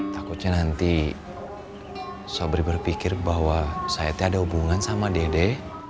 takutnya nanti sobri berpikir bahwa saya tidak ada hubungan sama dede